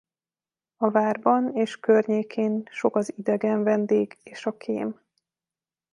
A várban és környékén sok az idegen vendég és a kém.